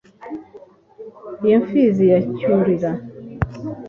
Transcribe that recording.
Iyo mpfizi ya Cyurira,